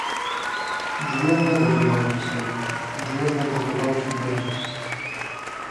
جوێن مەدە بە باوکی سەگم، جوێن نەدەم بە باوکی بەگت.